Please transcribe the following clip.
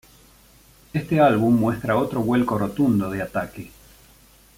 Este álbum muestra otro vuelco rotundo de Attaque.